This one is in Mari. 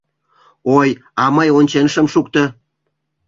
— Ой, а мый ончен шым шукто.